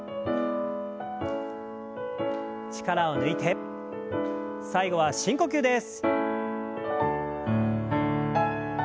力を抜いて最後は深呼吸です。